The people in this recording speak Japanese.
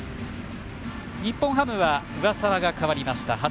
日本ハムは上沢が代わりました。